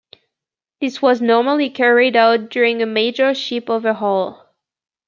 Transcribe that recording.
This was normally carried out during a major ship overhaul.